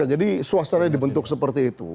jadi suasana dibentuk seperti itu